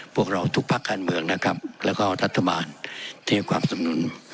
พวกเราทุกภาคการเมืองนะครับแล้วก็รัฐบาลที่ให้ความสำนุน